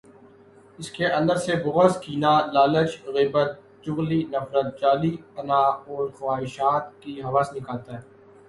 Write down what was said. اس کے اندر سے بغض، کینہ، لالچ، غیبت، چغلی، نفرت، جعلی انااور خواہشات کی ہوس نکالتا ہے۔